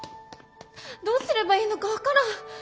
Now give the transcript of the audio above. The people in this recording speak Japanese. どうすればいいのか分からん！